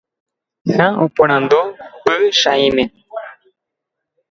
Ha oporandu Pychãime.